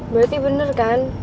berarti bener kan